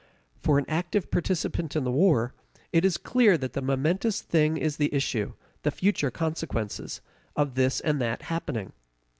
For an active participant in the war, it is clear that the momentous thing is the issue, the future consequences, of this and that happening.